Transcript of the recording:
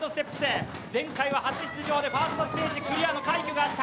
前回は初出場でファーストステージクリアの快挙があった。